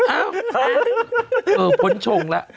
อะหรือฝนชงละ